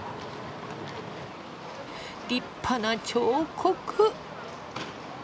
立派な彫刻！